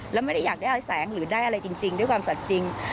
แล้วไม่ได้อยากได้อะไรแสงหรือได้อะไรจริงด้วยความสัตว์จริง